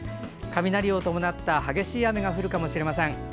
雷を伴った激しい雨が降るかもしれません。